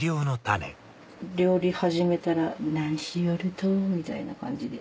料理始めたら「何しよると？」みたいな感じで。